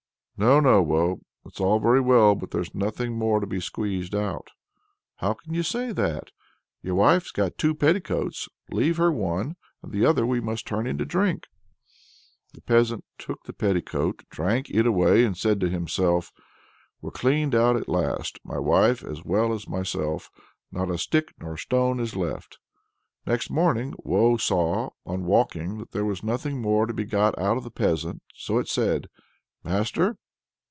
"No, no, Woe! it's all very well, but there's nothing more to be squeezed out." "How can you say that? Your wife has got two petticoats: leave her one, but the other we must turn into drink." The peasant took the petticoat, drank it away, and said to himself: "We're cleaned out at last, my wife as well as myself. Not a stick nor a stone is left!" Next morning Woe saw, on waking, that there was nothing more to be got out of the peasant, so it said: "Master!"